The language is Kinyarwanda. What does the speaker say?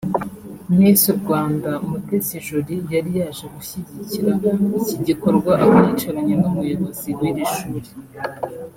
Miss Rwanda Mutesi Jolly yari yaje gushygikira iki gikorwa aha yicaranye n'umuyobozi w'iri shuri